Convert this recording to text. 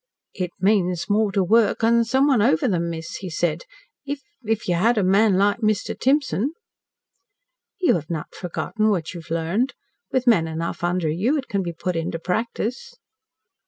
"It means more to work and someone over them, miss," he said. "If if you had a man like Mr. Timson " "You have not forgotten what you learned. With men enough under you it can be put into practice."